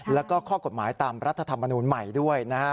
แล้วก็ข้อกฎหมายตามรัฐธรรมนูลใหม่ด้วยนะฮะ